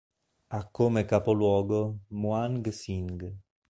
Ha come capoluogo Muang Sing.